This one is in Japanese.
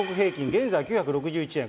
現在、９６１円。